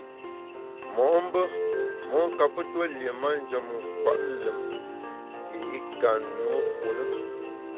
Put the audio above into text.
Mo’mbe mon kape tue lié manjem nkwet lùm yié i ka nùe fu na.